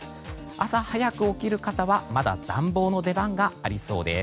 朝早く起きる方はまだ暖房の出番がありそうです。